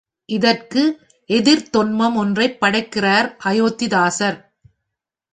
இதற்கு எதிர்த் தொன்மம் ஒன்றைப் படைக்கிறார் அயோத்திதாசர்.